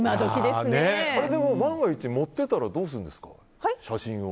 でも、万が一盛ってたらどうするんですか写真を。